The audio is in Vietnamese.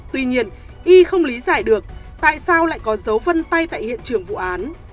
tuy nhiên y không lý giải được tại sao lại có dấu vân tay tại hiện trường vụ án